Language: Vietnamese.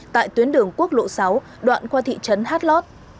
tại tuyến đường quốc lộ sáu đoạn qua thị trấn hát lót